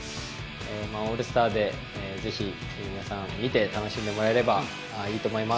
オールスターでぜひ皆さん、見て楽しんでいただければいいと思います。